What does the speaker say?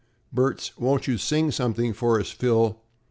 Bert's "Won't you sing something for us, Phil?"